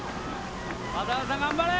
渡邊さん頑張れ！